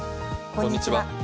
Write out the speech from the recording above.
こんにちは。